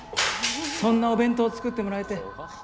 そんなお弁当、作ってもらえて。